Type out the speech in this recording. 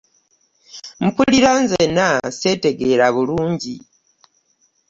Mpulira nzenna sseetegeera bulungi.